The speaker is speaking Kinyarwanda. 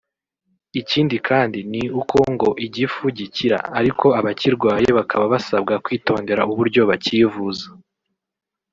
Ikindi kandi ni uko ngo igifu gikira ariko abakirwaye bakaba basabwa kwitondera uburyo bacyivuza